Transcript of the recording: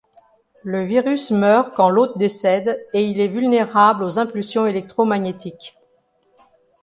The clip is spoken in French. Le virus meurt quand l'hôte décède et il est vulnérable aux impulsions électro-magnétiques.